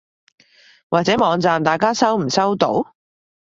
或者網站大家收唔收到？